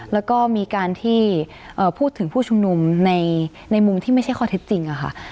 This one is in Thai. แล้วก็มีการที่พูดถึงผู้ชุมนุมในมุมที่ไม่ใช่ข้อเท็จจริงค่ะ